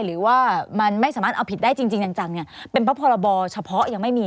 หรือว่ามันไม่สามารถเอาผิดได้จริงจังเนี่ยเป็นเพราะพรบเฉพาะยังไม่มี